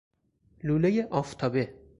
لولۀ آفتابه